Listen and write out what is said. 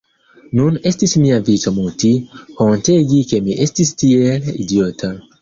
Nun estis mia vico muti, hontegi ke mi estis tiel idiota.